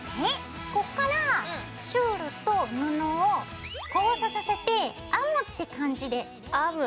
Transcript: こっからチュールと布を交差させて編むって感じで。